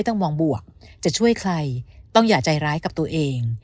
ต้องมองบวกจะช่วยใครต้องอย่าใจร้ายกับตัวเอง